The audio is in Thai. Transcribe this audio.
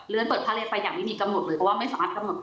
เปิดผ้าเลไฟอย่างไม่มีกำหนดเลยเพราะว่าไม่สามารถกำหนด